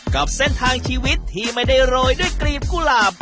กับเส้นทางชีวิตที่ไม่ได้โรยด้วยกลีบกุหลาบ